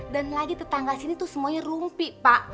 dan lagi tetangga sini tuh semuanya rumpi pak